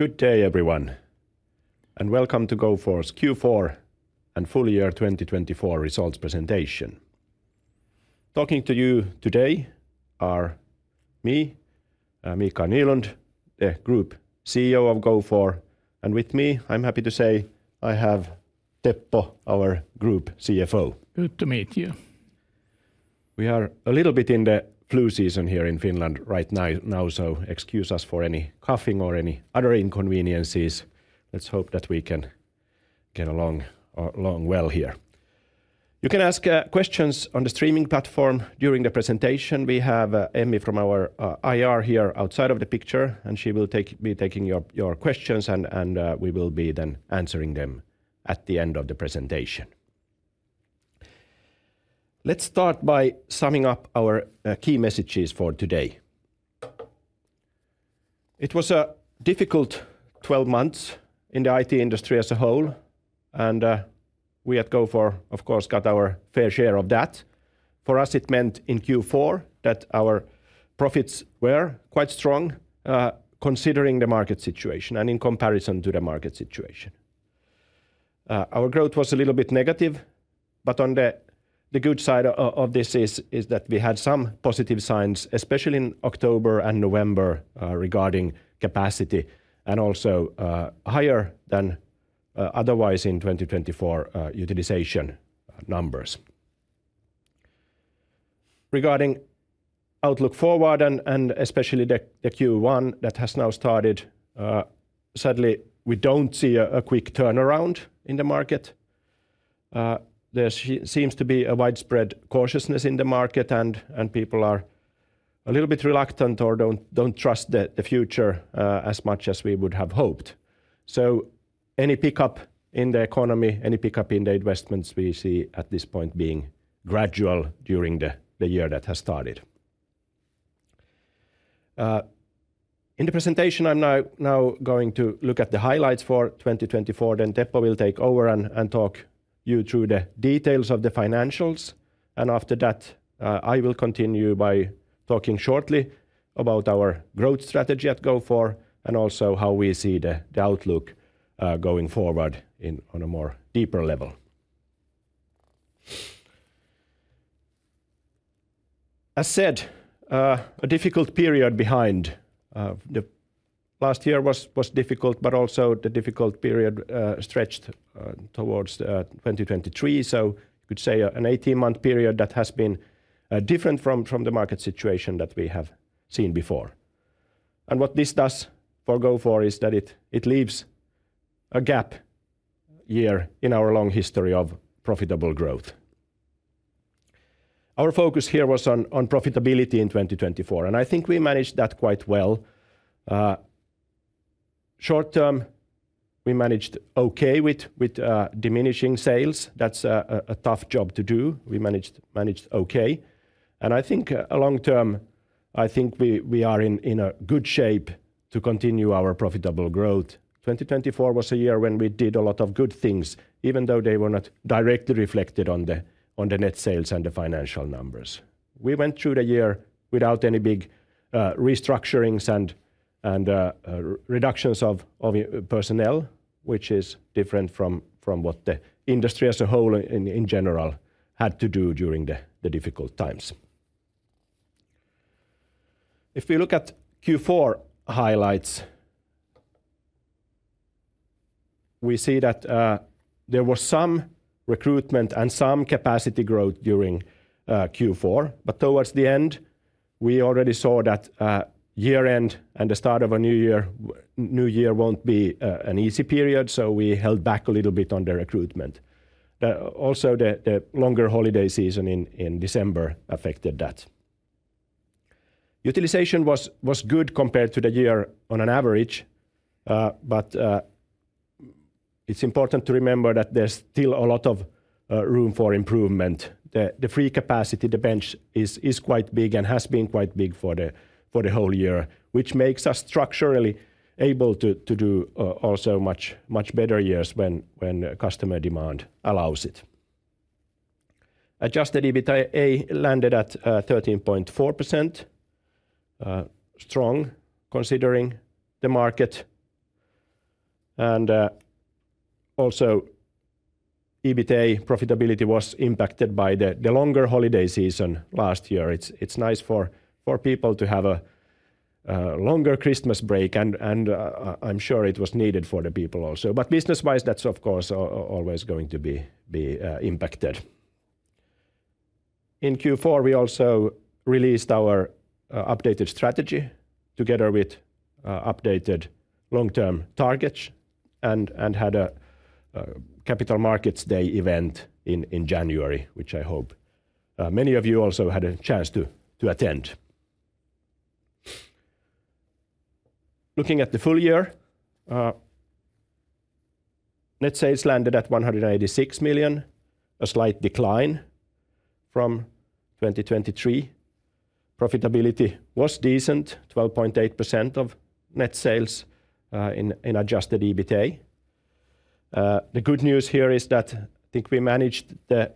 Good day, everyone, and welcome to Gofore's Q4 and full year 2024 results presentation. Talking to you today are me, Mikael Nylund, the Group CEO of Gofore, and with me, I'm happy to say I have Teppo, our Group CFO. Good to meet you. We are a little bit in the flu season here in Finland right now, so excuse us for any coughing or any other inconveniences. Let's hope that we can get along well here. You can ask questions on the streaming platform during the presentation. We have Emmi from our IR here outside of the picture, and she will be taking your questions, and we will be then answering them at the end of the presentation. Let's start by summing up our key messages for today. It was a difficult 12 months in the IT industry as a whole, and we at Gofore, of course, got our fair share of that. For us, it meant in Q4 that our profits were quite strong, considering the market situation and in comparison to the market situation. Our growth was a little bit negative, but on the good side of this is that we had some positive signs, especially in October and November, regarding capacity and also higher than otherwise in 2024 utilization numbers. Regarding outlook forward, and especially the Q1 that has now started, sadly, we do not see a quick turnaround in the market. There seems to be a widespread cautiousness in the market, and people are a little bit reluctant or do not trust the future as much as we would have hoped. Any pickup in the economy, any pickup in the investments, we see at this point being gradual during the year that has started. In the presentation, I am now going to look at the highlights for 2024, then Teppo will take over and talk you through the details of the financials. After that, I will continue by talking shortly about our growth strategy at Gofore and also how we see the outlook going forward on a more deeper level. As said, a difficult period behind. Last year was difficult, but also the difficult period stretched towards 2023. You could say an 18-month period that has been different from the market situation that we have seen before. What this does for Gofore is that it leaves a gap year in our long history of profitable growth. Our focus here was on profitability in 2024, and I think we managed that quite well. Short term, we managed okay with diminishing sales. That's a tough job to do. We managed okay. I think long term, I think we are in a good shape to continue our profitable growth. 2024 was a year when we did a lot of good things, even though they were not directly reflected on the net sales and the financial numbers. We went through the year without any big restructurings and reductions of personnel, which is different from what the industry as a whole in general had to do during the difficult times. If we look at Q4 highlights, we see that there was some recruitment and some capacity growth during Q4, but towards the end, we already saw that year-end and the start of a new year will not be an easy period, so we held back a little bit on the recruitment. Also, the longer holiday season in December affected that. Utilization was good compared to the year on an average, but it is important to remember that there is still a lot of room for improvement. The free capacity, the bench, is quite big and has been quite big for the whole year, which makes us structurally able to do also much better years when customer demand allows it. Adjusted EBITA landed at 13.4%. Strong, considering the market. Also, EBITA profitability was impacted by the longer holiday season last year. It's nice for people to have a longer Christmas break, and I'm sure it was needed for the people also. Business-wise, that's of course always going to be impacted. In Q4, we also released our updated strategy together with updated long-term targets and had a Capital Markets Day event in January, which I hope many of you also had a chance to attend. Looking at the full year, net sales landed at 186 million, a slight decline from 2023. Profitability was decent, 12.8% of net sales in adjusted EBITA. The good news here is that I think we managed the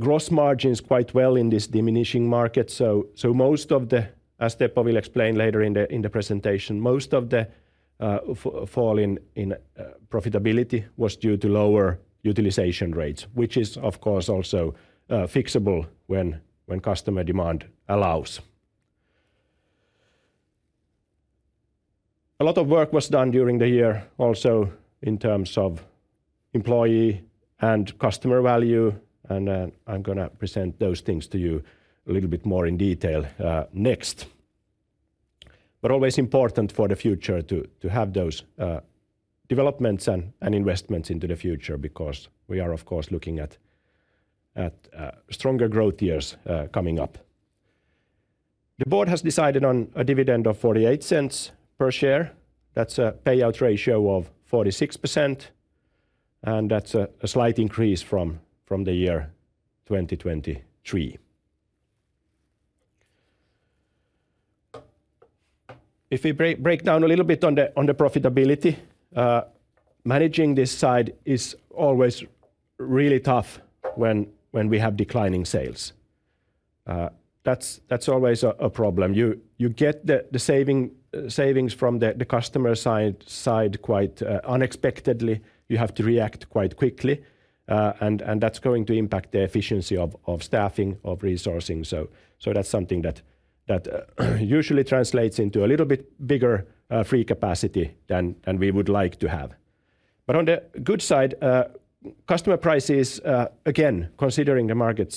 gross margins quite well in this diminishing market. Most of the, as Teppo will explain later in the presentation, most of the fall in profitability was due to lower utilization rates, which is of course also fixable when customer demand allows. A lot of work was done during the year also in terms of employee and customer value, and I'm going to present those things to you a little bit more in detail next. Always important for the future to have those developments and investments into the future because we are of course looking at stronger growth years coming up. The board has decided on a dividend of 0.48 per share. That's a payout ratio of 46%, and that's a slight increase from the year 2023. If we break down a little bit on the profitability, managing this side is always really tough when we have declining sales. That's always a problem. You get the savings from the customer side quite unexpectedly. You have to react quite quickly, and that's going to impact the efficiency of staffing, of resourcing. That usually translates into a little bit bigger free capacity than we would like to have. On the good side, customer prices, again, considering the market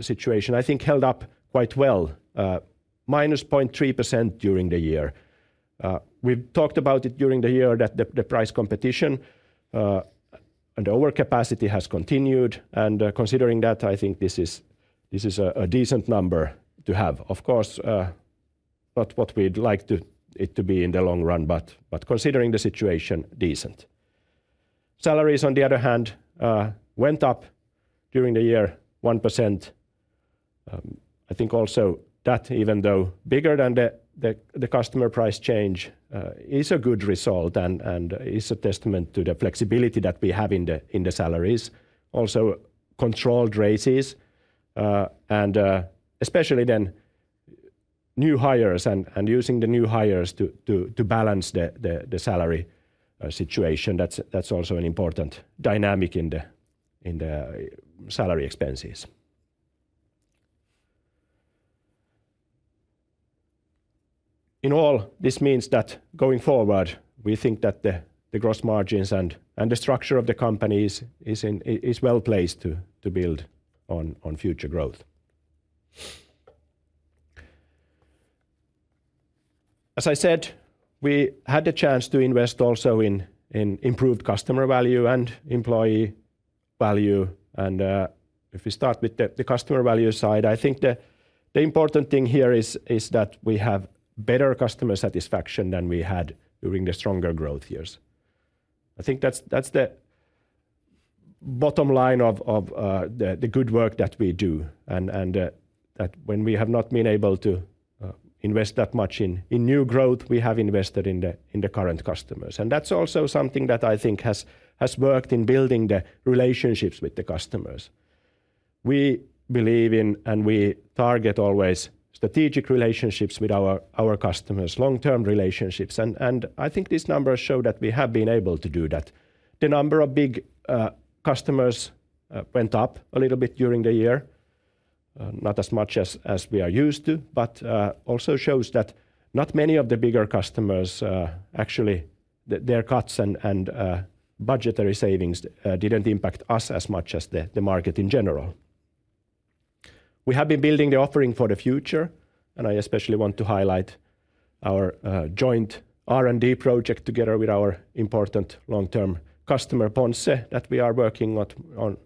situation, I think held up quite well, minus 0.3% during the year. We've talked about it during the year, that the price competition and the overcapacity has continued, and considering that, I think this is a decent number to have. Of course, not what we'd like it to be in the long run, but considering the situation, decent. Salaries, on the other hand, went up during the year, 1%. I think also that, even though bigger than the customer price change, is a good result and is a testament to the flexibility that we have in the salaries. Also controlled raises, and especially then new hires and using the new hires to balance the salary situation. That is also an important dynamic in the salary expenses. In all, this means that going forward, we think that the gross margins and the structure of the company is well placed to build on future growth. As I said, we had the chance to invest also in improved customer value and employee value. If we start with the customer value side, I think the important thing here is that we have better customer satisfaction than we had during the stronger growth years. I think that's the bottom line of the good work that we do, and that when we have not been able to invest that much in new growth, we have invested in the current customers. That's also something that I think has worked in building the relationships with the customers. We believe in and we target always strategic relationships with our customers, long-term relationships, and I think these numbers show that we have been able to do that. The number of big customers went up a little bit during the year, not as much as we are used to, but also shows that not many of the bigger customers actually their cuts and budgetary savings didn't impact us as much as the market in general. We have been building the offering for the future, and I especially want to highlight our joint R&D project together with our important long-term customer, Ponsse, that we are working on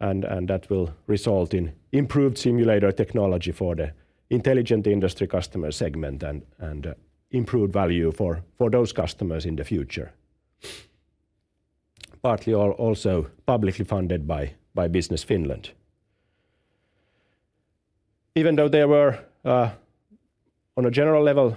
and that will result in improved simulator technology for the Intelligent Industry customer segment and improved value for those customers in the future. Partly also publicly funded by Business Finland. Even though there were, on a general level,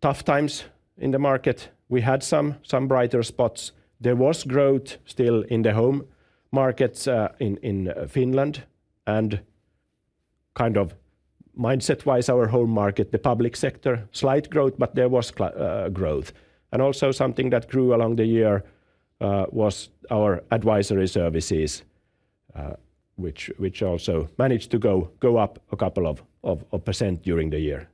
tough times in the market, we had some brighter spots. There was growth still in the home markets in Finland, and kind of mindset-wise, our home market, the public sector, slight growth, but there was growth. Also, something that grew along the year was our advisory services, which also managed to go up a couple of percent during the year.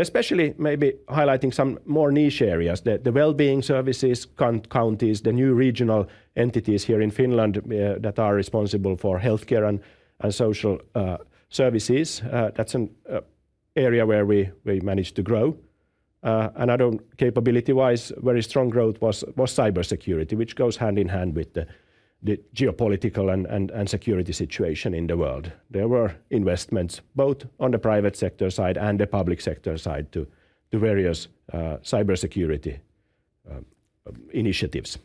Especially maybe highlighting some more niche areas, the wellbeing services counties, the new regional entities here in Finland that are responsible for healthcare and social services. That is an area where we managed to grow. Another capability-wise, very strong growth was cybersecurity, which goes hand in hand with the geopolitical and security situation in the world. There were investments both on the private sector side and the public sector side to various cybersecurity initiatives.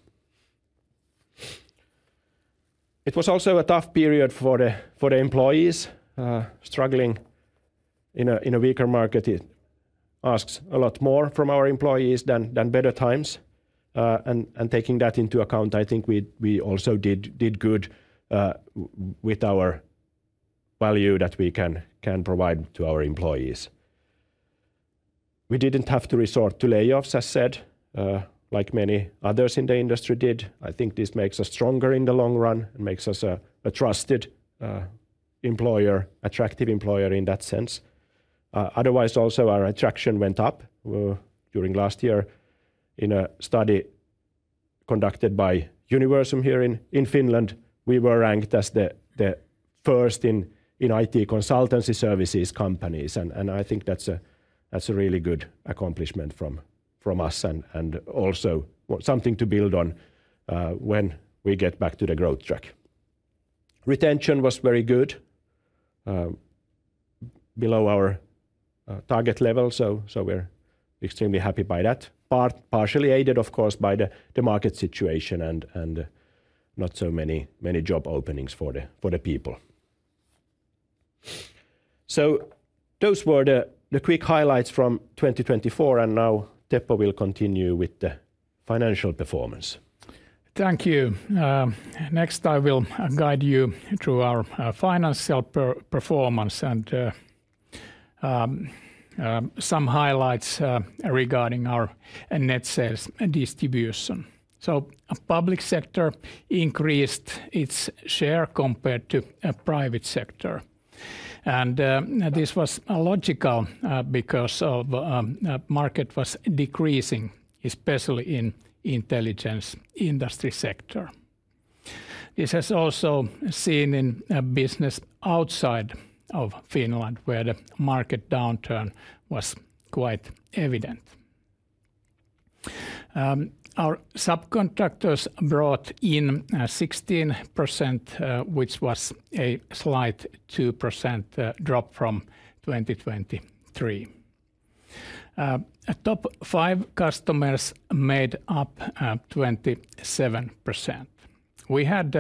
It was also a tough period for the employees. Struggling in a weaker market asks a lot more from our employees than better times. Taking that into account, I think we also did good with our value that we can provide to our employees. We did not have to resort to layoffs, as said, like many others in the industry did. I think this makes us stronger in the long run and makes us a trusted employer, attractive employer in that sense. Otherwise, also our attraction went up. During last year, in a study conducted by Universum here in Finland, we were ranked as the first in IT consultancy services companies. I think that's a really good accomplishment from us and also something to build on when we get back to the growth track. Retention was very good, below our target level, so we're extremely happy by that. Partially aided, of course, by the market situation and not so many job openings for the people. Those were the quick highlights from 2024, and now Teppo will continue with the financial performance. Thank you. Next, I will guide you through our financial performance and some highlights regarding our net sales distribution. Public sector increased its share compared to private sector. This was logical because the market was decreasing, especially in the Intelligent Industry sector. This has also been seen in business outside of Finland where the market downturn was quite evident. Our subcontractors brought in 16%, which was a slight 2% drop from 2023. Top five customers made up 27%. We had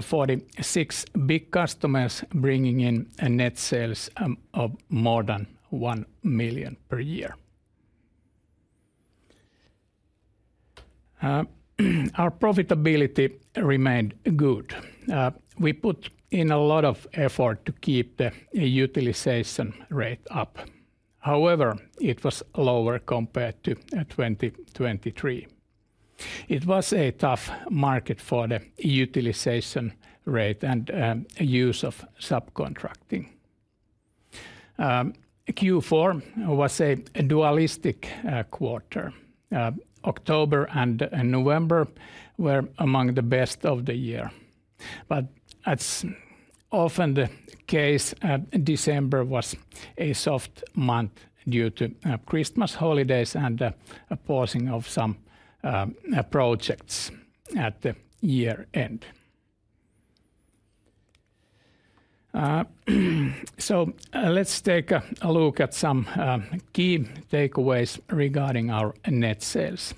46 big customers bringing in net sales of more than 1 million per year. Our profitability remained good. We put in a lot of effort to keep the utilization rate up. However, it was lower compared to 2023. It was a tough market for the utilization rate and use of subcontracting. Q4 was a dualistic quarter. October and November were among the best of the year. As often the case, December was a soft month due to Christmas holidays and the pausing of some projects at the year-end. Let's take a look at some key takeaways regarding our net sales.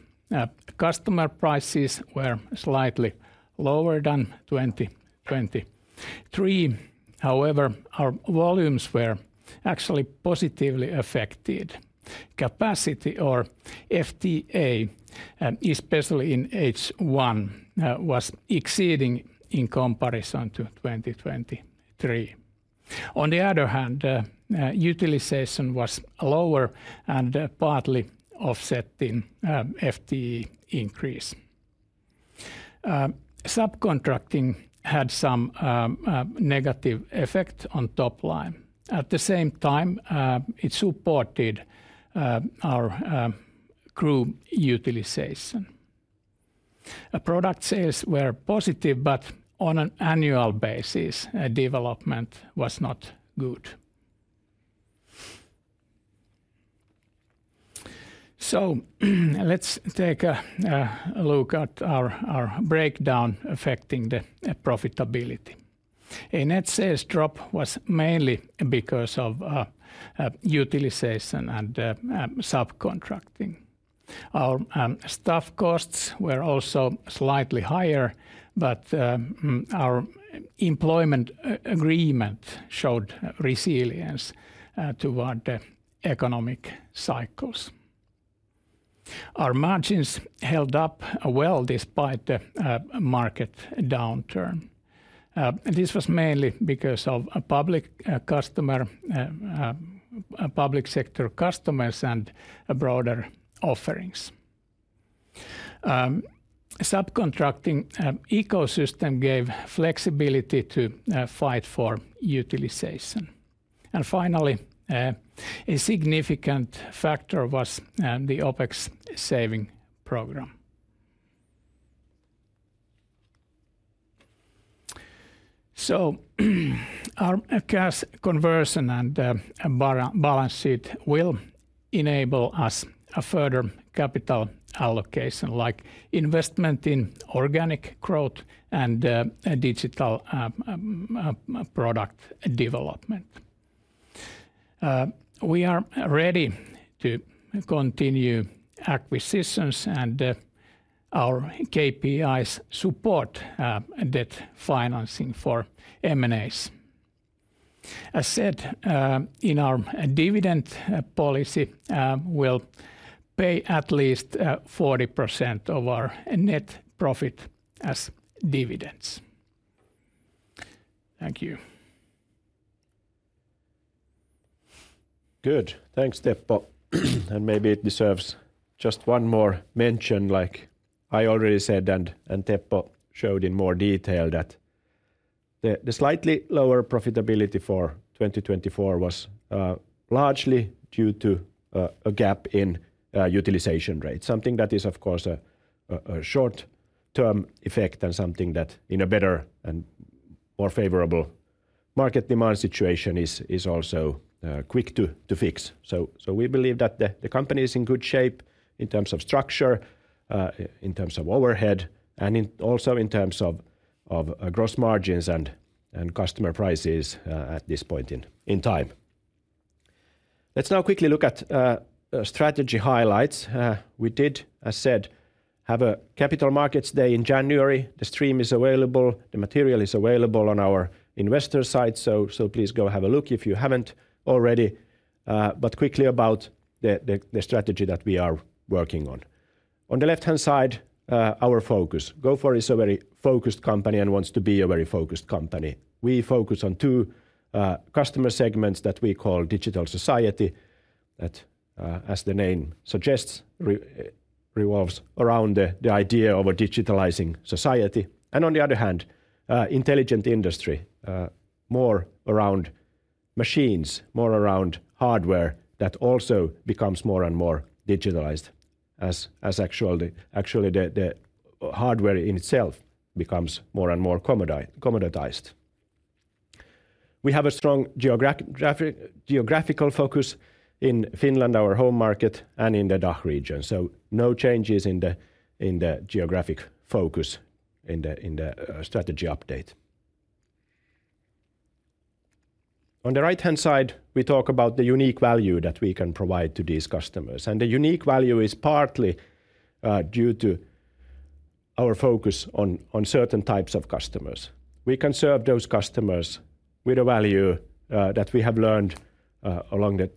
Customer prices were slightly lower than 2023. However, our volumes were actually positively affected. Capacity, or FTE, especially in H1, was exceeding in comparison to 2023. On the other hand, utilization was lower and partly offsetting FTE increase. Subcontracting had some negative effect on top line. At the same time, it supported our crew utilization. Product sales were positive, but on an annual basis, development was not good. Let's take a look at our breakdown affecting the profitability. A net sales drop was mainly because of utilization and subcontracting. Our staff costs were also slightly higher, but our employment agreement showed resilience toward the economic cycles. Our margins held up well despite the market downturn. This was mainly because of public sector customers and broader offerings. The subcontracting ecosystem gave flexibility to fight for utilization. A significant factor was the OpEx saving program. Our cash conversion and balance sheet will enable us a further capital allocation, like investment in organic growth and digital product development. We are ready to continue acquisitions and our KPIs support debt financing for M&As. As said, in our dividend policy, we'll pay at least 40% of our net profit as dividends. Thank you. Good. Thanks, Teppo. Maybe it deserves just one more mention, like I already said and Teppo showed in more detail, that the slightly lower profitability for 2024 was largely due to a gap in utilization rate, something that is, of course, a short-term effect and something that, in a better and more favorable market demand situation, is also quick to fix. We believe that the company is in good shape in terms of structure, in terms of overhead, and also in terms of gross margins and customer prices at this point in time. Let's now quickly look at strategy highlights. We did, as said, have a Capital Markets Day in January. The stream is available. The material is available on our investor site, so please go have a look if you haven't already. Quickly about the strategy that we are working on. On the left-hand side, our focus. Gofore is a very focused company and wants to be a very focused company. We focus on two customer segments that we call Digital Society, that, as the name suggests, revolves around the idea of a digitalizing society. On the other hand, Intelligent Industry, more around machines, more around hardware that also becomes more and more digitalized, as actually the hardware in itself becomes more and more commoditized. We have a strong geographical focus in Finland, our home market, and in the DACH region. No changes in the geographic focus in the strategy update. On the right-hand side, we talk about the unique value that we can provide to these customers. The unique value is partly due to our focus on certain types of customers. We can serve those customers with a value that we have learned along the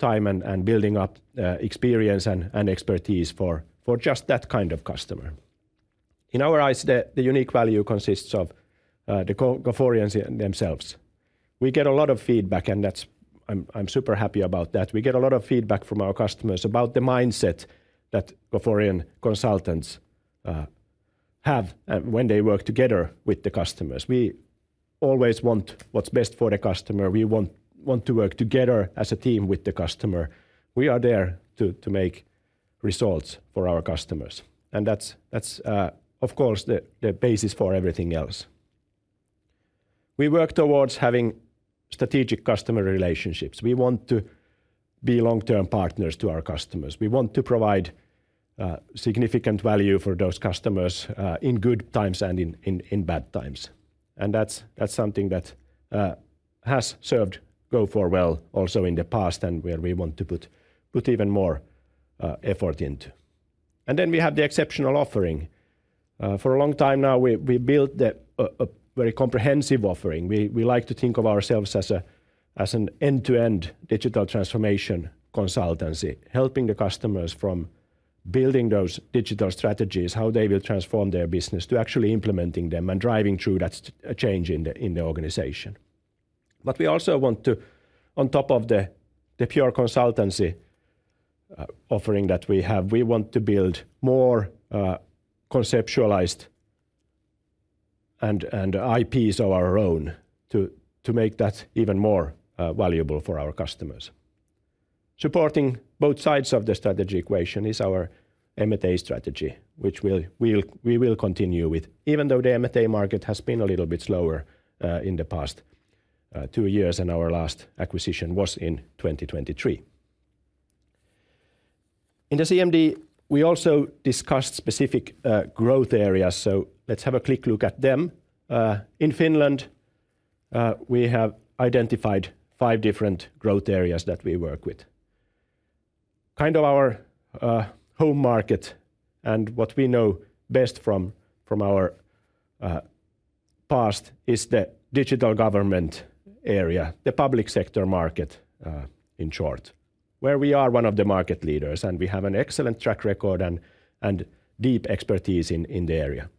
time and building up experience and expertise for just that kind of customer. In our eyes, the unique value consists of the Goforeans themselves. We get a lot of feedback, and I'm super happy about that. We get a lot of feedback from our customers about the mindset that Gofore consultants have when they work together with the customers. We always want what's best for the customer. We want to work together as a team with the customer. We are there to make results for our customers. That is, of course, the basis for everything else. We work towards having strategic customer relationships. We want to be long-term partners to our customers. We want to provide significant value for those customers in good times and in bad times. That is something that has served Gofore well also in the past and where we want to put even more effort into. We have the exceptional offering. For a long time now, we built a very comprehensive offering. We like to think of ourselves as an end-to-end digital transformation consultancy, helping the customers from building those digital strategies, how they will transform their business, to actually implementing them and driving through that change in the organization. We also want to, on top of the pure consultancy offering that we have, build more conceptualized and IPs of our own to make that even more valuable for our customers. Supporting both sides of the strategy equation is our M&A strategy, which we will continue with, even though the M&A market has been a little bit slower in the past two years and our last acquisition was in 2023. In the CMD, we also discussed specific growth areas, so let's have a quick look at them. In Finland, we have identified five different growth areas that we work with. Kind of our home market and what we know best from our past is the digital government area, the public sector market in short, where we are one of the market leaders and we have an excellent track record and deep expertise in the area.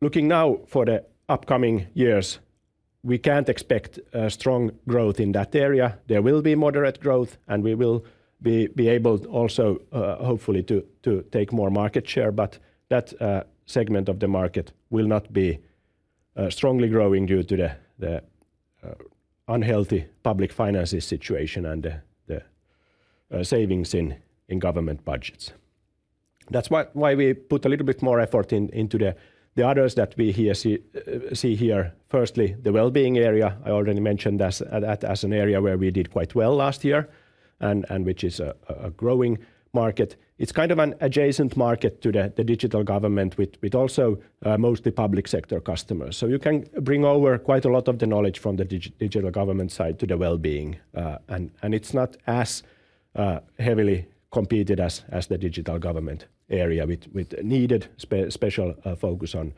Looking now for the upcoming years, we can't expect strong growth in that area. There will be moderate growth and we will be able also, hopefully, to take more market share, but that segment of the market will not be strongly growing due to the unhealthy public finances situation and the savings in government budgets. That is why we put a little bit more effort into the others that we see here. Firstly, the well-being area. I already mentioned that as an area where we did quite well last year and which is a growing market. It is kind of an adjacent market to the digital government with also mostly public sector customers. You can bring over quite a lot of the knowledge from the digital government side to the well-being. It is not as heavily competed as the digital government area, with needed special focus on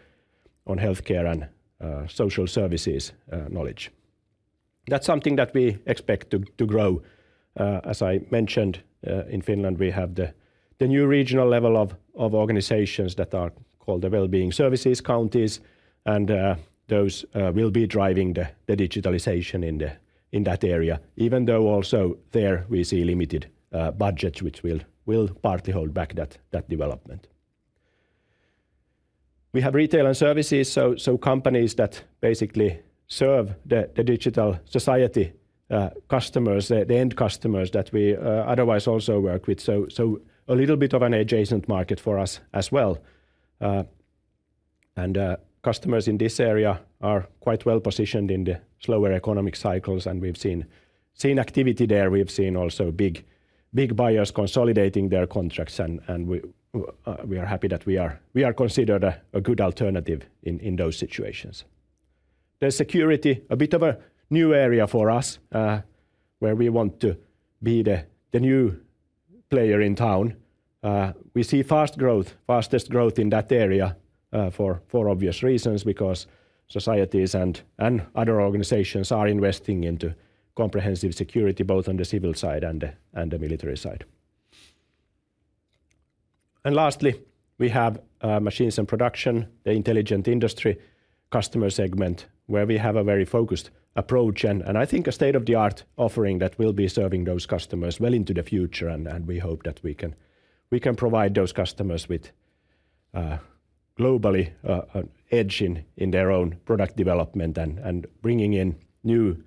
healthcare and social services knowledge. That is something that we expect to grow. As I mentioned, in Finland, we have the new regional level of organizations that are called the wellbeing services counties, and those will be driving the digitalization in that area, even though also there we see limited budgets which will partly hold back that development. We have retail and services, companies that basically serve the Digital Society customers, the end customers that we otherwise also work with. A little bit of an adjacent market for us as well. Customers in this area are quite well positioned in the slower economic cycles, and we've seen activity there. We've seen also big buyers consolidating their contracts, and we are happy that we are considered a good alternative in those situations. There is security, a bit of a new area for us, where we want to be the new player in town. We see fast growth, fastest growth in that area for obvious reasons, because societies and other organizations are investing into comprehensive security, both on the civil side and the military side. Lastly, we have machines and production, the Intelligent Industry customer segment, where we have a very focused approach and I think a state-of-the-art offering that will be serving those customers well into the future. We hope that we can provide those customers with globally an edge in their own product development and bringing in new,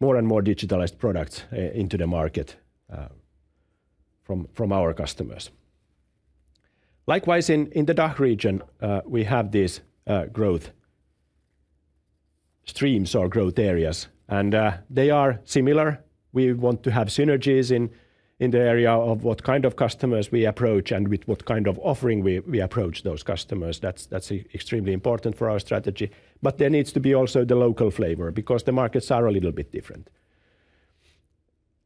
more and more digitalized products into the market from our customers. Likewise, in the DACH region, we have these growth streams or growth areas, and they are similar. We want to have synergies in the area of what kind of customers we approach and with what kind of offering we approach those customers. That is extremely important for our strategy. There needs to be also the local flavor, because the markets are a little bit different.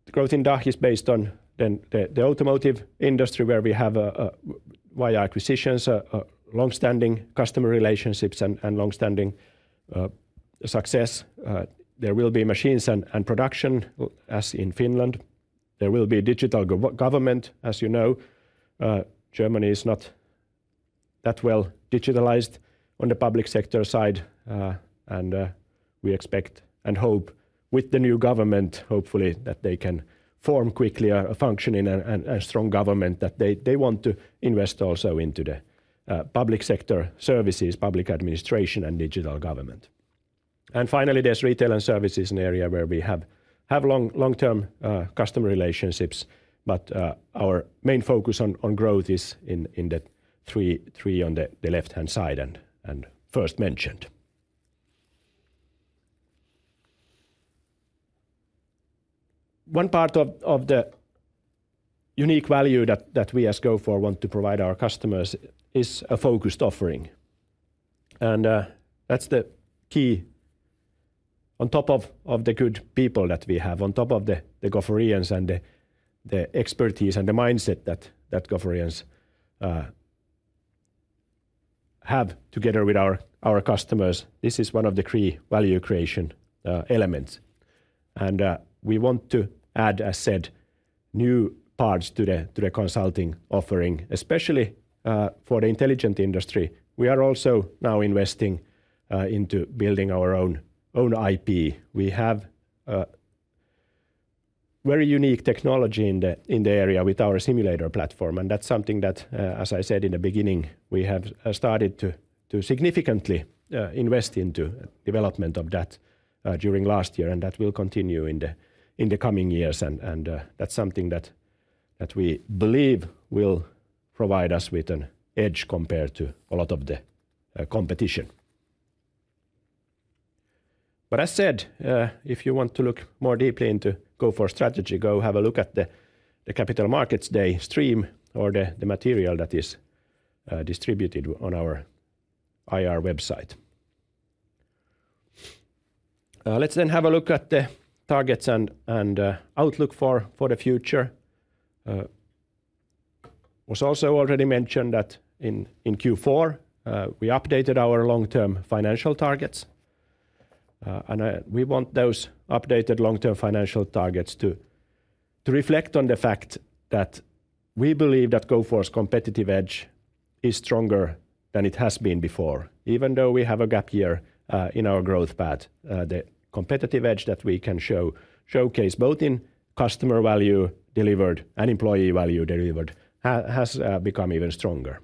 The growth in DACH is based on the automotive industry, where we have via acquisitions long-standing customer relationships and long-standing success. There will be machines and production, as in Finland. There will be digital government, as you know. Germany is not that well digitalized on the public sector side, and we expect and hope with the new government, hopefully, that they can form quickly a functioning and strong government, that they want to invest also into the public sector services, public administration, and digital government. Finally, there's retail and services, an area where we have long-term customer relationships, but our main focus on growth is in the three on the left-hand side and first mentioned. One part of the unique value that we as Gofore want to provide our customers is a focused offering. That is the key on top of the good people that we have, on top of the Goforeans and the expertise and the mindset that Goforeans have together with our customers. This is one of the three value creation elements. We want to add, as said, new parts to the consulting offering, especially for the Intelligent Industry. We are also now investing into building our own IP. We have very unique technology in the area with our simulator platform, and that is something that, as I said in the beginning, we have started to significantly invest into the development of that during last year, and that will continue in the coming years. That is something that we believe will provide us with an edge compared to a lot of the competition. As said, if you want to look more deeply into Gofore strategy, go have a look at the Capital Markets Day stream or the material that is distributed on our IR website. Let's then have a look at the targets and outlook for the future. It was also already mentioned that in Q4 we updated our long-term financial targets, and we want those updated long-term financial targets to reflect on the fact that we believe that Gofore's competitive edge is stronger than it has been before. Even though we have a gap year in our growth path, the competitive edge that we can showcase both in customer value delivered and employee value delivered has become even stronger.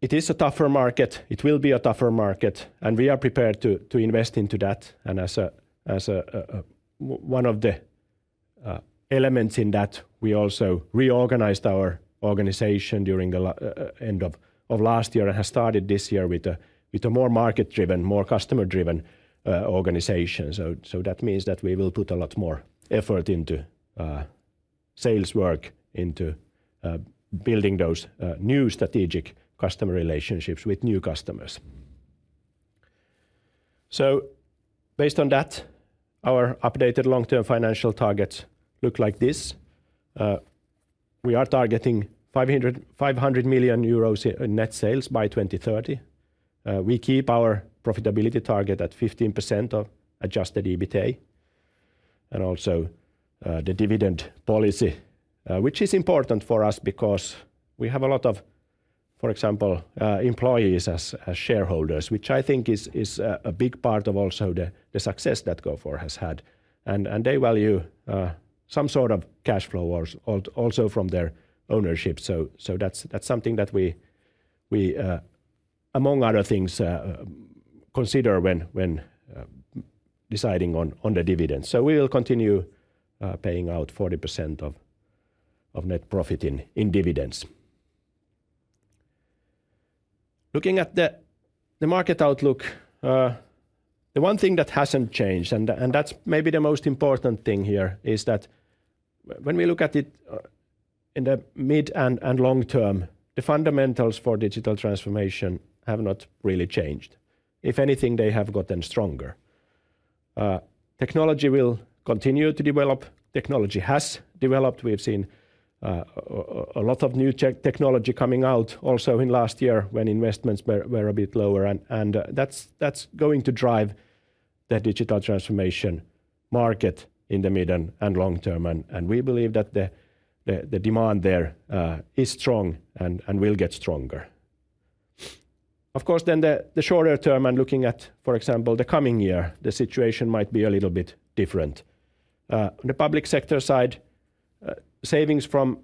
It is a tougher market. It will be a tougher market, and we are prepared to invest into that. As one of the elements in that, we also reorganized our organization during the end of last year and have started this year with a more market-driven, more customer-driven organization. That means we will put a lot more effort into sales work, into building those new strategic customer relationships with new customers. Based on that, our updated long-term financial targets look like this. We are targeting 500 million euros in net sales by 2030. We keep our profitability target at 15% of adjusted EBITA and also the dividend policy, which is important for us because we have a lot of, for example, employees as shareholders, which I think is a big part of also the success that Gofore has had. They value some sort of cash flow also from their ownership. That is something that we, among other things, consider when deciding on the dividends. We will continue paying out 40% of net profit in dividends. Looking at the market outlook, the one thing that has not changed, and that is maybe the most important thing here, is that when we look at it in the mid and long term, the fundamentals for digital transformation have not really changed. If anything, they have gotten stronger. Technology will continue to develop. Technology has developed. We have seen a lot of new technology coming out also in last year when investments were a bit lower, and that is going to drive the digital transformation market in the mid and long term. We believe that the demand there is strong and will get stronger. Of course, in the shorter term and looking at, for example, the coming year, the situation might be a little bit different. On the public sector side, savings from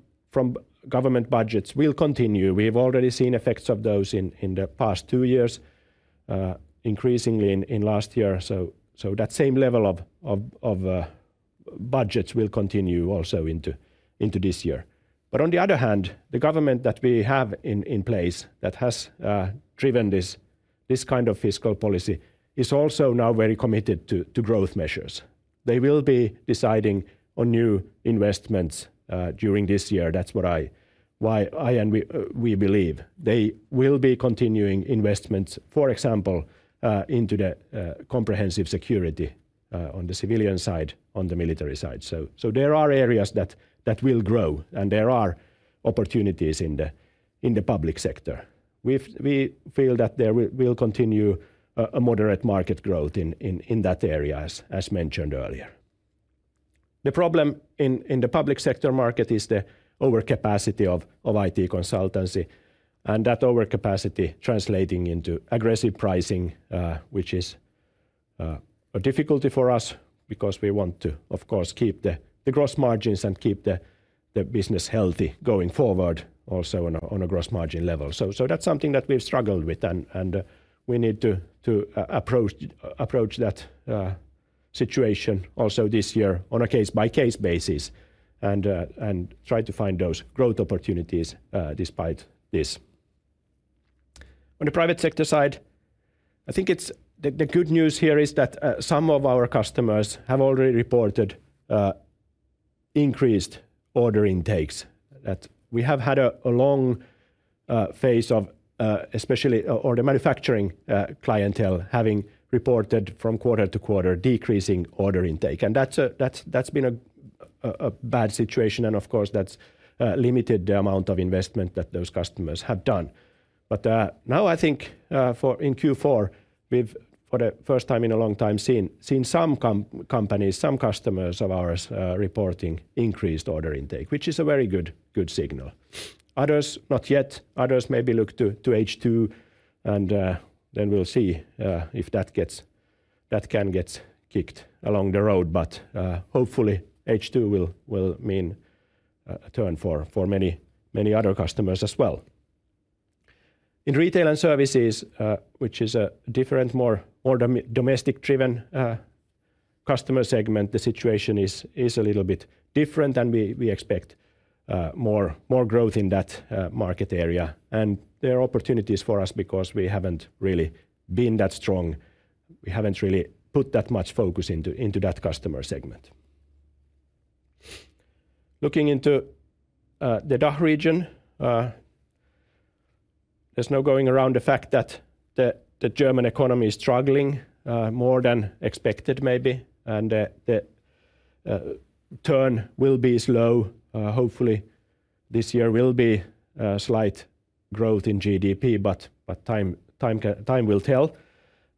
government budgets will continue. We have already seen effects of those in the past two years, increasingly in last year. That same level of budgets will continue also into this year. On the other hand, the government that we have in place that has driven this kind of fiscal policy is also now very committed to growth measures. They will be deciding on new investments during this year. That is why I and we believe they will be continuing investments, for example, into the comprehensive security on the civilian side, on the military side. There are areas that will grow, and there are opportunities in the public sector. We feel that there will continue a moderate market growth in that area, as mentioned earlier. The problem in the public sector market is the overcapacity of IT consultancy, and that overcapacity translating into aggressive pricing, which is a difficulty for us because we want to, of course, keep the gross margins and keep the business healthy going forward also on a gross margin level. That is something that we've struggled with, and we need to approach that situation also this year on a case-by-case basis and try to find those growth opportunities despite this. On the private sector side, I think the good news here is that some of our customers have already reported increased order intakes. We have had a long phase of especially order manufacturing clientele having reported from quarter to quarter decreasing order intake. That has been a bad situation, and of course, that has limited the amount of investment that those customers have done. Now I think in Q4, we've for the first time in a long time seen some companies, some customers of ours reporting increased order intake, which is a very good signal. Others, not yet. Others maybe look to H2, and we'll see if that can get kicked along the road. Hopefully, H2 will mean a turn for many other customers as well. In retail and services, which is a different, more domestic-driven customer segment, the situation is a little bit different, and we expect more growth in that market area. There are opportunities for us because we haven't really been that strong. We haven't really put that much focus into that customer segment. Looking into the DACH region, there's no going around the fact that the German economy is struggling more than expected, maybe, and the turn will be slow. Hopefully, this year will be a slight growth in GDP, but time will tell.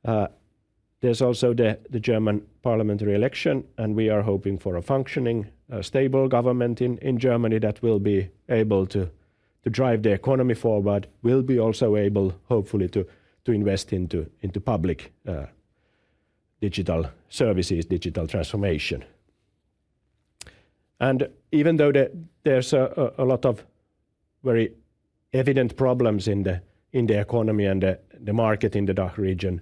There is also the German parliamentary election, and we are hoping for a functioning, stable government in Germany that will be able to drive the economy forward, will be also able, hopefully, to invest into public digital services, digital transformation. Even though there is a lot of very evident problems in the economy and the market in the DACH region,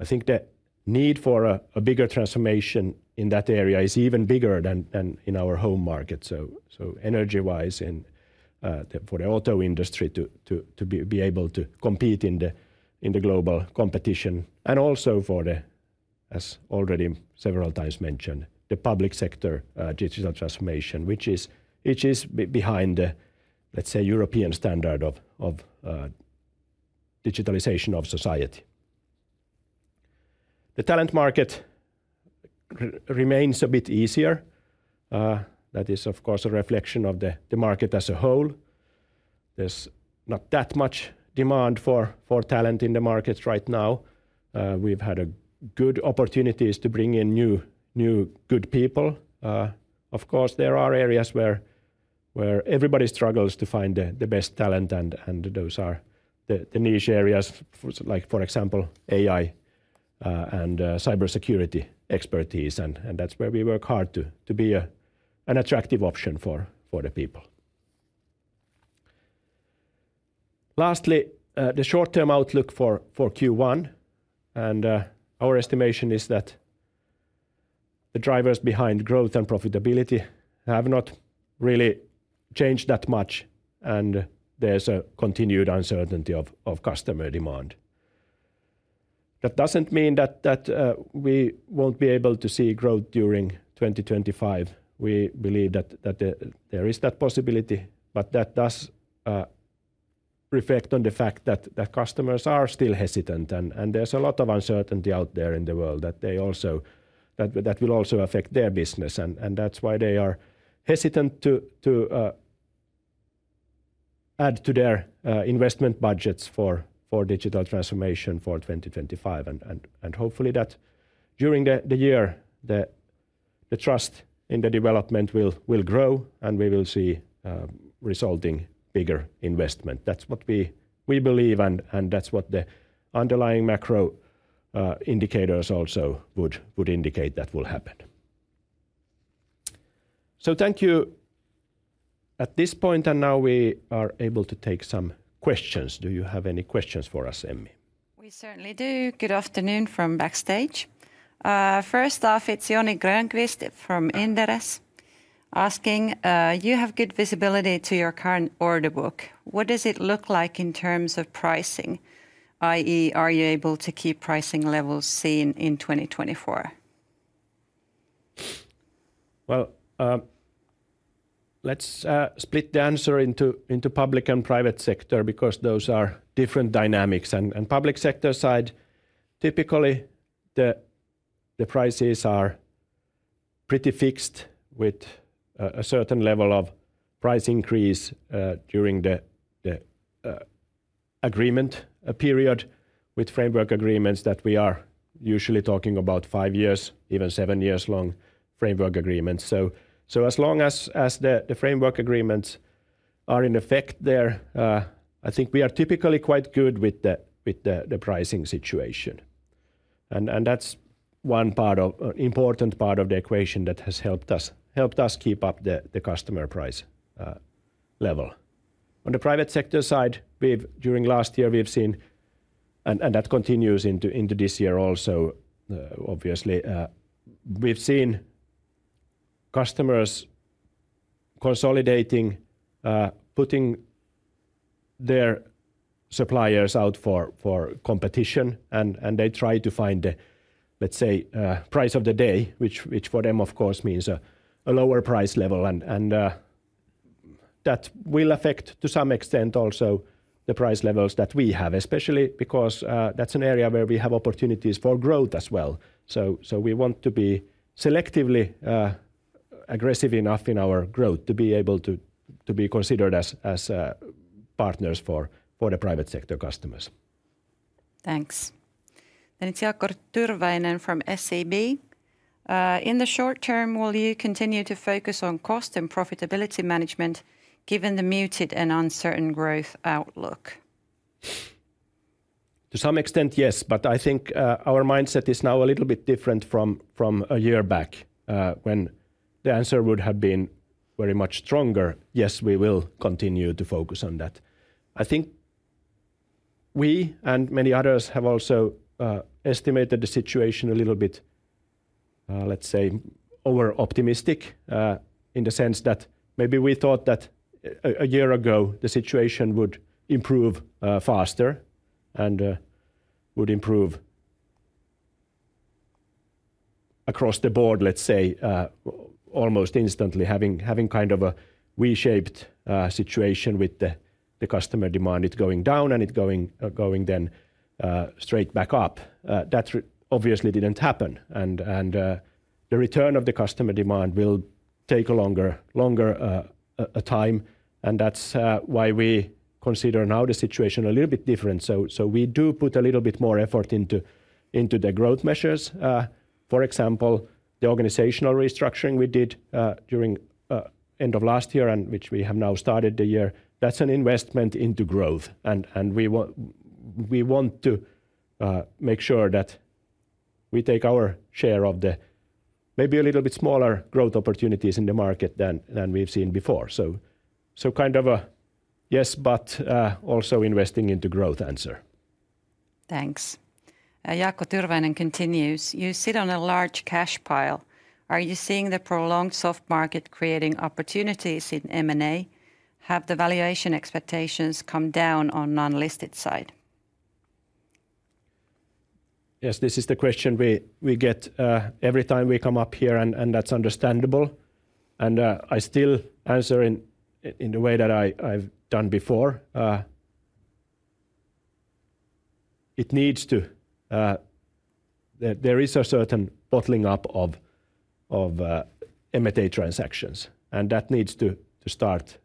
I think the need for a bigger transformation in that area is even bigger than in our home market. Energy-wise and for the auto industry to be able to compete in the global competition, and also for the, as already several times mentioned, the public sector digital transformation, which is behind the, let's say, European standard of digitalization of society. The talent market remains a bit easier. That is, of course, a reflection of the market as a whole. There's not that much demand for talent in the markets right now. We've had good opportunities to bring in new good people. Of course, there are areas where everybody struggles to find the best talent, and those are the niche areas, like for example, AI and cybersecurity expertise. That's where we work hard to be an attractive option for the people. Lastly, the short-term outlook for Q1, and our estimation is that the drivers behind growth and profitability have not really changed that much, and there's a continued uncertainty of customer demand. That doesn't mean that we won't be able to see growth during 2025. We believe that there is that possibility, but that does reflect on the fact that customers are still hesitant, and there's a lot of uncertainty out there in the world that will also affect their business. That is why they are hesitant to add to their investment budgets for digital transformation for 2025. Hopefully, that during the year, the trust in the development will grow, and we will see resulting bigger investment. That's what we believe, and that's what the underlying macro indicators also would indicate that will happen. Thank you at this point, and now we are able to take some questions. Do you have any questions for us, Emmi? We certainly do. Good afternoon from backstage. First off, it's Joni Grönqvist from Inderes asking, "You have good visibility to your current order book. What does it look like in terms of pricing? Are you able to keep pricing levels seen in 2024? Let's split the answer into public and private sector because those are different dynamics. On the public sector side, typically the prices are pretty fixed with a certain level of price increase during the agreement period with framework agreements that we are usually talking about five-year, even seven-year long framework agreements. As long as the framework agreements are in effect there, I think we are typically quite good with the pricing situation. That is one important part of the equation that has helped us keep up the customer price level. On the private sector side, during last year we've seen, and that continues into this year also, obviously, we've seen customers consolidating, putting their suppliers out for competition, and they try to find the, let's say, price of the day, which for them, of course, means a lower price level. That will affect to some extent also the price levels that we have, especially because that's an area where we have opportunities for growth as well. We want to be selectively aggressive enough in our growth to be able to be considered as partners for the private sector customers. Thanks. It is Jaakko Tyrväinen from SEB. In the short term, will you continue to focus on cost and profitability management given the muted and uncertain growth outlook?" To some extent, yes, but I think our mindset is now a little bit different from a year back when the answer would have been very much stronger. Yes, we will continue to focus on that. I think we and many others have also estimated the situation a little bit, let's say, over-optimistic in the sense that maybe we thought that a year ago the situation would improve faster and would improve across the board, let's say, almost instantly, having kind of a V-shaped situation with the customer demand, it going down and it going then straight back up. That obviously did not happen. The return of the customer demand will take a longer time. That is why we consider now the situation a little bit different. We do put a little bit more effort into the growth measures. For example, the organizational restructuring we did during the end of last year and which we have now started the year, that's an investment into growth. We want to make sure that we take our share of the maybe a little bit smaller growth opportunities in the market than we've seen before. Kind of a yes, but also investing into growth answer. Thanks. Jaakko Tyrväinen continues. "You sit on a large cash pile. Are you seeing the prolonged soft market creating opportunities in M&A? Have the valuation expectations come down on non-listed side?" Yes, this is the question we get every time we come up here, and that's understandable. I still answer in the way that I've done before. It needs to, there is a certain bottling up of M&A transactions, and that needs to start.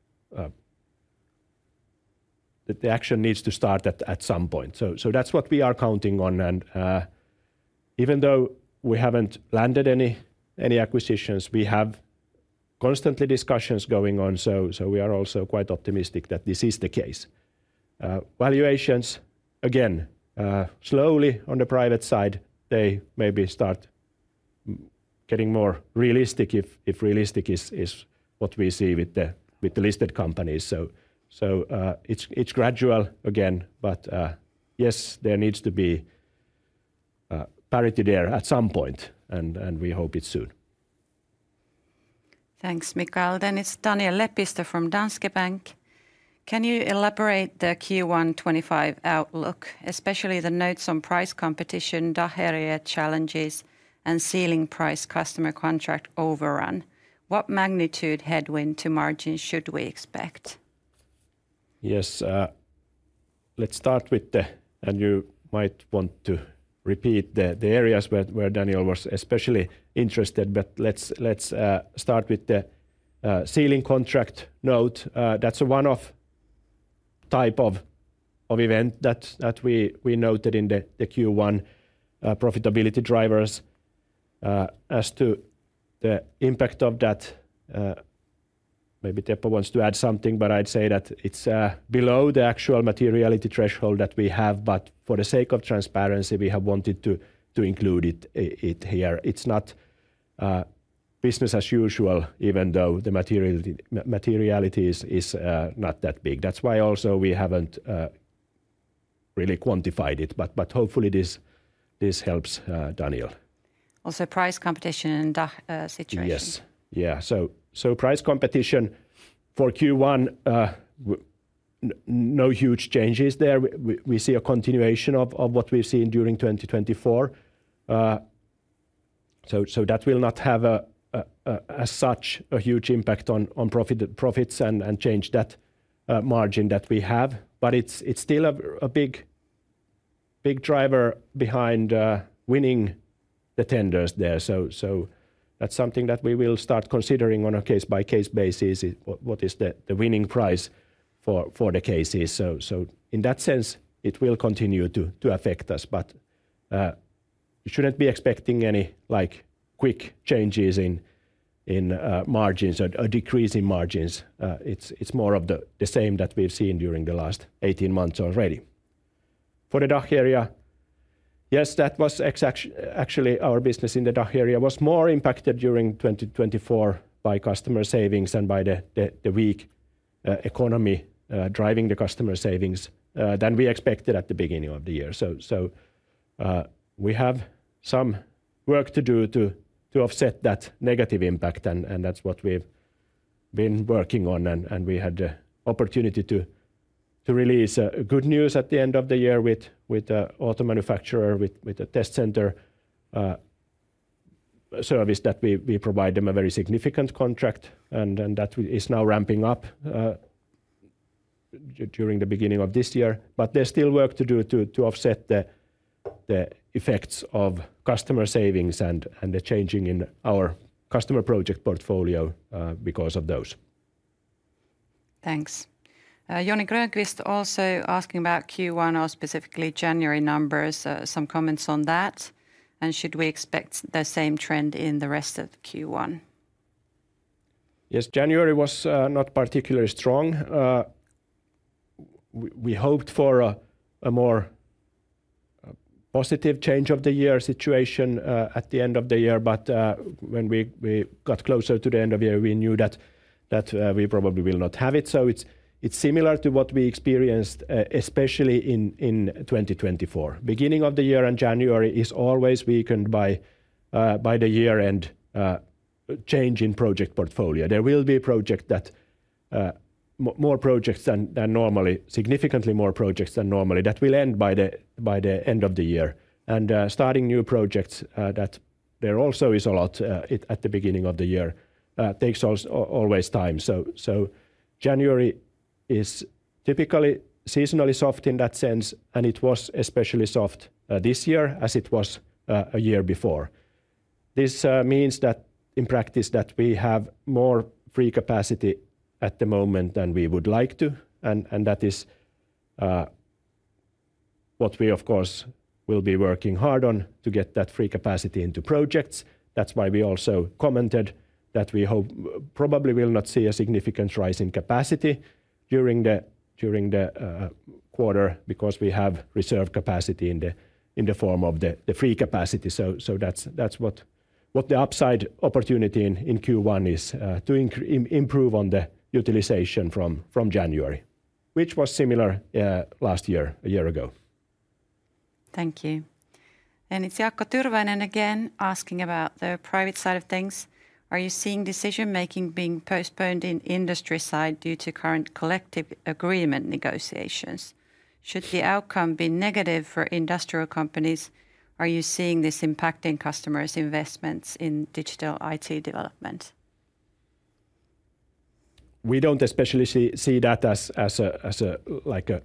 The action needs to start at some point. That is what we are counting on. Even though we have not landed any acquisitions, we have constantly discussions going on. We are also quite optimistic that this is the case. Valuations, again, slowly on the private side, they maybe start getting more realistic if realistic is what we see with the listed companies. It is gradual again, but yes, there needs to be parity there at some point, and we hope it is soon. Thanks, Mikael. It is Daniel Lepistö from Danske Bank. "Can you elaborate the Q1 2025 outlook, especially the notes on price competition, DACH area challenges, and ceiling price customer contract overrun? What magnitude headwind to margin should we expect? Yes, let's start with the, and you might want to repeat the areas where Daniel was especially interested, but let's start with the ceiling contract note. That's a one-off type of event that we noted in the Q1 profitability drivers. As to the impact of that, maybe Teppo wants to add something, but I'd say that it's below the actual materiality threshold that we have. For the sake of transparency, we have wanted to include it here. It's not business as usual, even though the materiality is not that big. That's why also we haven't really quantified it. Hopefully this helps Daniel. Also price competition in DACH situation. Yes, yeah. Price competition for Q1, no huge changes there. We see a continuation of what we've seen during 2024. That will not have as such a huge impact on profits and change that margin that we have. It is still a big driver behind winning the tenders there. That is something that we will start considering on a case-by-case basis, what is the winning price for the cases. In that sense, it will continue to affect us. You should not be expecting any quick changes in margins or decreasing margins. It is more of the same that we have seen during the last 18 months already. For the DACH area, yes, actually our business in the DACH area was more impacted during 2024 by customer savings and by the weak economy driving the customer savings than we expected at the beginning of the year. We have some work to do to offset that negative impact, and that is what we have been working on. We had the opportunity to release good news at the end of the year with the auto manufacturer, with the test center service that we provide them, a very significant contract, and that is now ramping up during the beginning of this year. There is still work to do to offset the effects of customer savings and the changing in our customer project portfolio because of those. Thanks. Joni Grönqvist also asking about Q1 or specifically January numbers, some comments on that. Should we expect the same trend in the rest of Q1? Yes, January was not particularly strong. We hoped for a more positive change of the year situation at the end of the year. When we got closer to the end of the year, we knew that we probably will not have it. It is similar to what we experienced, especially in 2024. Beginning of the year and January is always weakened by the year-end change in project portfolio. There will be more projects than normally, significantly more projects than normally, that will end by the end of the year. Starting new projects, there also is a lot at the beginning of the year, takes always time. January is typically seasonally soft in that sense, and it was especially soft this year as it was a year before. This means that in practice we have more free capacity at the moment than we would like to. That is what we, of course, will be working hard on to get that free capacity into projects. That is why we also commented that we probably will not see a significant rise in capacity during the quarter because we have reserved capacity in the form of the free capacity. That's what the upside opportunity in Q1 is to improve on the utilization from January, which was similar last year, a year ago. Thank you. Jaakko Tyrväinen again asking about the private side of things. "Are you seeing decision-making being postponed in industry side due to current collective agreement negotiations? Should the outcome be negative for industrial companies, are you seeing this impacting customers' investments in digital IT development?" We do not especially see that as a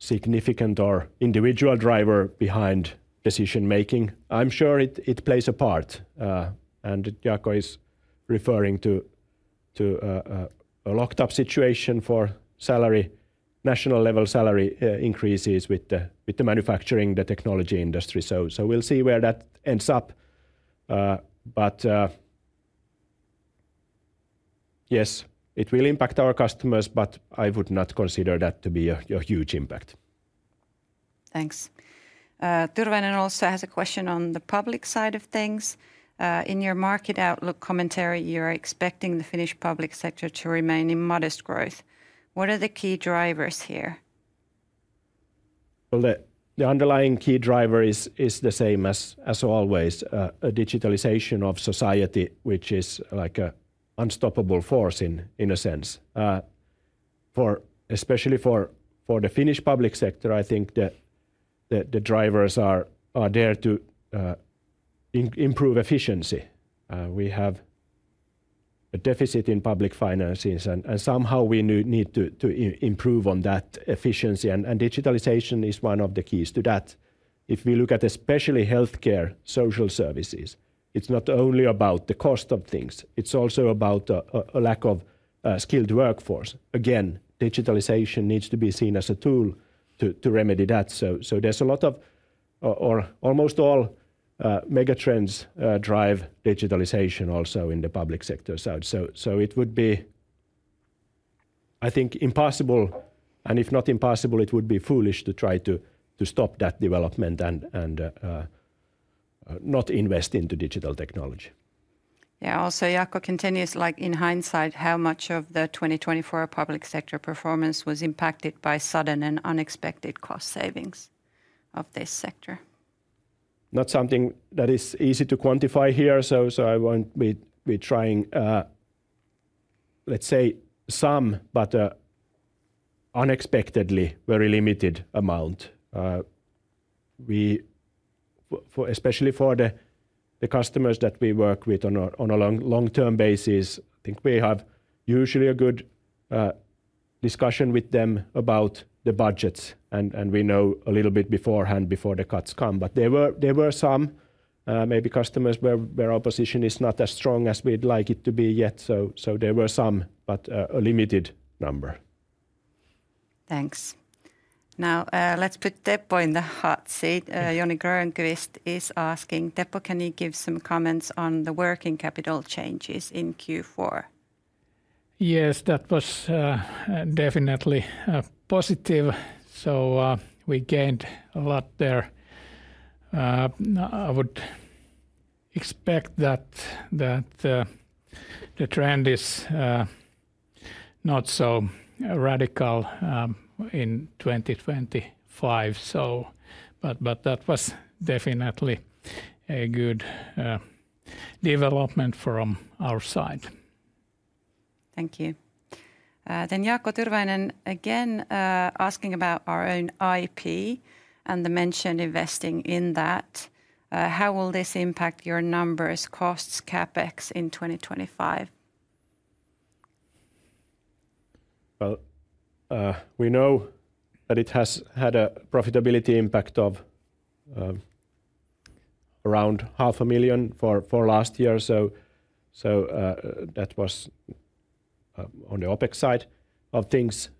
significant or individual driver behind decision-making. I am sure it plays a part. Jaakko is referring to a locked-up situation for national-level salary increases with the manufacturing, the technology industry. We will see where that ends up. Yes, it will impact our customers, but I would not consider that to be a huge impact. Thanks. Tyrväinen also has a question on the public side of things. In your market outlook commentary, you are expecting the Finnish public sector to remain in modest growth. What are the key drivers here?" The underlying key driver is the same as always, a digitalization of society, which is like an unstoppable force in a sense. Especially for the Finnish public sector, I think the drivers are there to improve efficiency. We have a deficit in public finances, and somehow we need to improve on that efficiency. Digitalization is one of the keys to that. If we look at especially healthcare, social services, it is not only about the cost of things. It is also about a lack of skilled workforce. Again, digitalization needs to be seen as a tool to remedy that. There is a lot of, or almost all mega trends drive digitalization also in the public sector side. It would be, I think, impossible. If not impossible, it would be foolish to try to stop that development and not invest into digital technology. Yeah, also Jaakko continues, like in hindsight, how much of the 2024 public sector performance was impacted by sudden and unexpected cost savings of this sector. Not something that is easy to quantify here. I won't be trying, let's say some, but unexpectedly very limited amount. Especially for the customers that we work with on a long-term basis, I think we have usually a good discussion with them about the budgets. We know a little bit beforehand before the cuts come. There were some, maybe customers where opposition is not as strong as we'd like it to be yet. There were some, but a limited number. Thanks. Now let's put Teppo in the hot seat. Joni Grönqvist is asking, "Teppo, can you give some comments on the working capital changes in Q4?" Yes, that was definitely positive. We gained a lot there. I would expect that the trend is not so radical in 2025. That was definitely a good development from our side. Thank you. Jaakko Tyrväinen again asking about our own IP and the mentioned investing in that. How will this impact your numbers, costs, CapEx in 2025? We know that it has had a profitability impact of around 500,000 for last year. That was on the OpEx side of things.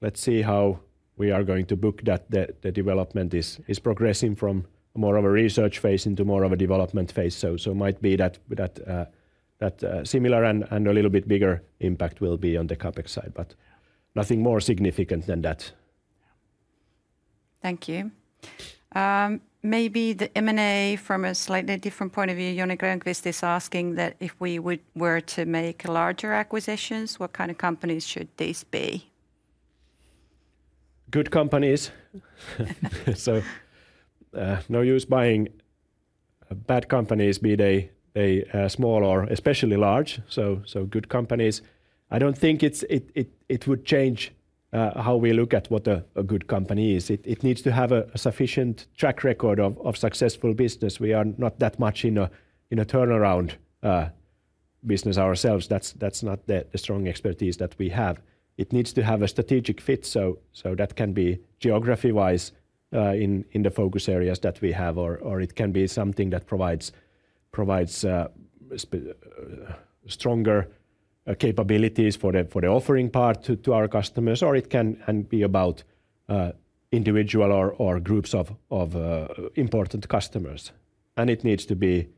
Let's see how we are going to book that. The development is progressing from more of a research phase into more of a development phase. It might be that similar and a little bit bigger impact will be on the CapEx side. Nothing more significant than that. Thank you. Maybe the M&A from a slightly different point of view, Joni Grönqvist is asking that if we were to make larger acquisitions, what kind of companies should these be? Good companies. No use buying bad companies, be they small or especially large. Good companies, I do not think it would change how we look at what a good company is. It needs to have a sufficient track record of successful business. We are not that much in a turnaround business ourselves. That is not the strong expertise that we have. It needs to have a strategic fit. That can be geography-wise in the focus areas that we have. It can be something that provides stronger capabilities for the offering part to our customers. It can be about individual or groups of important customers. It needs to be,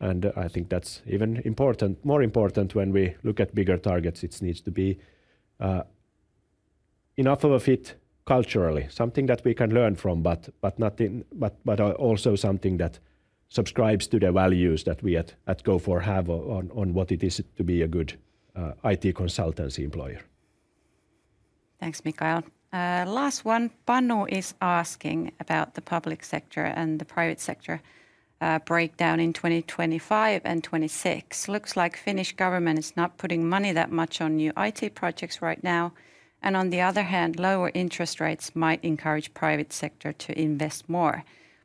and I think that's even more important when we look at bigger targets, it needs to be enough of a fit culturally, something that we can learn from, but also something that subscribes to the values that we at Gofore have on what it is to be a good IT consultancy employer. Thanks, Mikael. Last one, Panu is asking about the public sector and the private sector breakdown in 2025 and 2026. Looks like Finnish government is not putting money that much on new IT projects right now. On the other hand, lower interest rates might encourage private sector to invest more.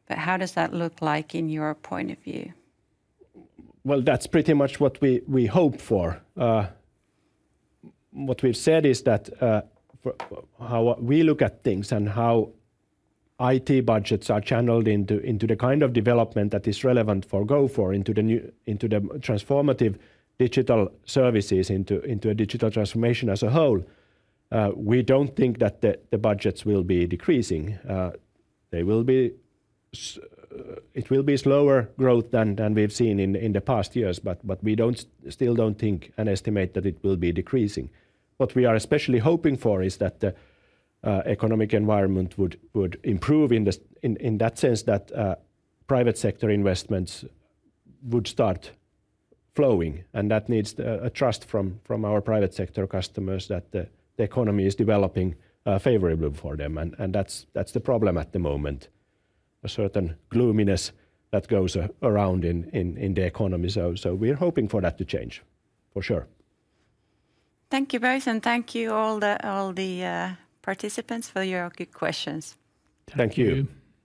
How does that look like in your point of view? That's pretty much what we hope for. What we've said is that how we look at things and how IT budgets are channeled into the kind of development that is relevant for Gofore, into the transformative digital services, into a digital transformation as a whole. We don't think that the budgets will be decreasing. It will be slower growth than we've seen in the past years. We still don't think and estimate that it will be decreasing. What we are especially hoping for is that the economic environment would improve in that sense that private sector investments would start flowing. That needs a trust from our private sector customers that the economy is developing favorably for them. That's the problem at the moment. A certain gloominess that goes around in the economy. We're hoping for that to change, for sure. Thank you both. Thank you all the participants for your good questions. Thank you.